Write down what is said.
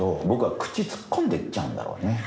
僕は口突っ込んでいっちゃうんだろうね。